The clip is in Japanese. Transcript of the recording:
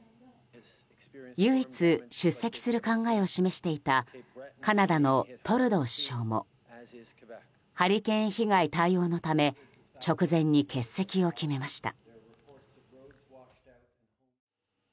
唯一、出席する考えを示していたカナダのトルドー首相もハリケーン被害対応のため直前に欠席を決めました。